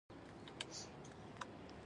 د تږي اوبه کول لوی ثواب لري.